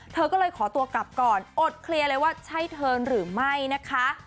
เธอก็เลยขอตัวกลับก่อนอดเคลียร์เลยว่าใช่เธอหรือไม่นะคะ